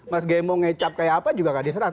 mas gembong ngecap kayak apa juga gak diserang